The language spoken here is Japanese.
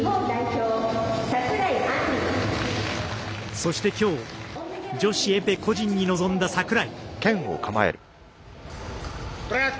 そして、きょう女子エペ個人に臨んだ櫻井。